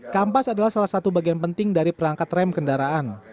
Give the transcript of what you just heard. kampas adalah salah satu bagian penting dari perangkat rem kendaraan